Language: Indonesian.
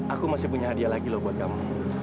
aku masih punya hadiah lagi loh buat kamu